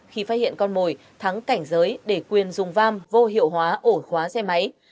khi phát hiện con mồi thắng cảnh giới để quyền dùng vam vô hiệu hóa ổ khóa xe máy